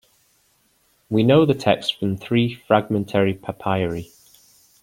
We know the text from three fragmentary papyri.